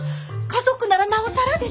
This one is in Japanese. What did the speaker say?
家族ならなおさらでしょ？